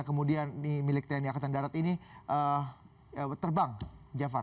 kemudian milik tni angkatan darat ini terbang jafar